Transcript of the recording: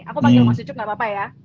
aku panggil mas cucuk gak apa apa ya